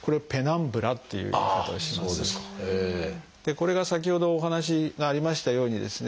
これが先ほどお話がありましたようにですね